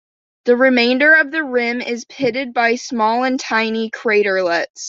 The remainder of the rim is pitted by small and tiny craterlets.